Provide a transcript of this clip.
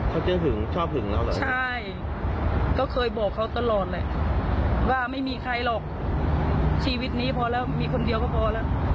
เขาจะหึงชอบหึงเราเหรอใช่ก็เคยบอกเขาตลอดแหละว่าไม่มีใครหรอกชีวิตนี้พอแล้วมีคนเดียวก็พอแล้ว